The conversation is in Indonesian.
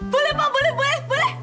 boleh pak boleh boleh boleh